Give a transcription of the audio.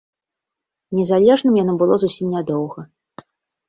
Незалежным яно было зусім нядоўга.